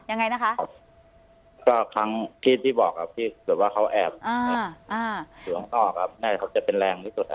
ยังไงนะคะก็ครั้งที่ที่บอกครับที่แบบว่าเขาแอบอ่าอ่า